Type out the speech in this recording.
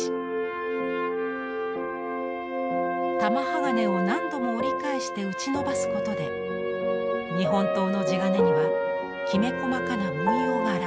玉鋼を何度も折り返して打ちのばすことで日本刀の地金にはきめ細かな文様が現れます。